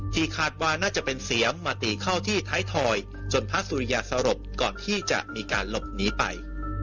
คาดว่าน่าจะเป็นเสียมมาตีเข้าที่ท้ายถอยจนพระสุริยาสลบก่อนที่จะมีการหลบหนีไป